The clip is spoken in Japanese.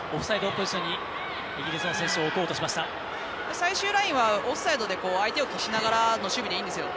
最終ラインはオフサイドで相手を消しながらの守備でいいんですよ。